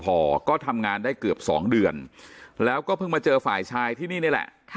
พอก็ทำงานได้เกือบสองเดือนแล้วก็เพิ่งมาเจอฝ่ายชายที่นี่นี่แหละ